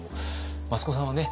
益子さんはね